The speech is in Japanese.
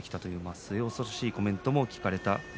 末恐ろしいコメントも聞かれました。